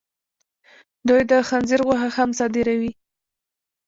دوی د خنزیر غوښه هم صادروي.